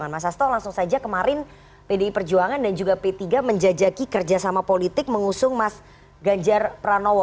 mas asto langsung saja kemarin pdi perjuangan dan juga p tiga menjajaki kerjasama politik mengusung mas ganjar pranowo